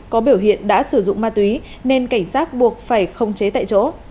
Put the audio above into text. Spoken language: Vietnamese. có biểu hiện đã sử dụng ma túy nên cảnh sát buộc phải không chế tại chỗ